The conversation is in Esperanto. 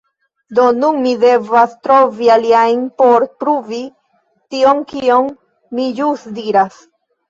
Do nun mi devas trovi aliajn por pruvi tion kion mi ĵus diras.